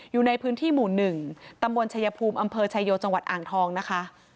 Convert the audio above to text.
อยู่ในพื้นที่หมู่๑ตำบลชายภูมิอำเภอชายโยจังหวัดอ่างทองนะคะ